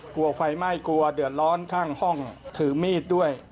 กลัวไฟไหม้กลัวเดือดร้อนข้างห้องถือมีดด้วย